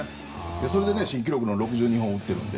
それで、新記録の６２本を打ってるので。